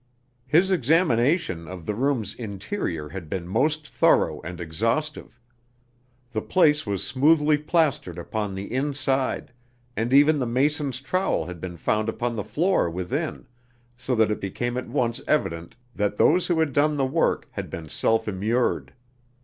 His examination of the room's interior had been most thorough and exhaustive. The place was smoothly plastered upon the inside, and even the mason's trowel had been found upon the floor within, so that it became at once evident that those who had done the work had been self immured.